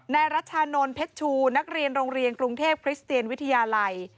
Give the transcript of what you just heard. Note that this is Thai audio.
ในรัชชานลผ๙๑นักเรียนโรงเรียนกรุงเทพฯคริสเต็ยนวิทยาลัย